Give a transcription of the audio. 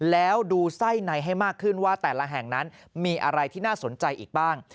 แล้วดูไส้ในให้มากขึ้นว่าแต่ละแห่งนั้นมีอะไรที่น่าสนใจอีกบ้าง